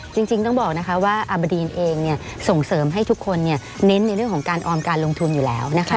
จริงต้องบอกนะคะว่าอาบดีนเองเนี่ยส่งเสริมให้ทุกคนเน้นในเรื่องของการออมการลงทุนอยู่แล้วนะคะ